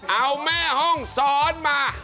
เอาแม่ห้องซ้อนมา